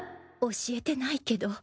教えてないけど